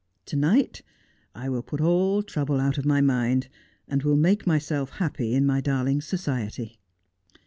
To night I will put all trouble out of my mind, and will make myself happy in my darling's society.'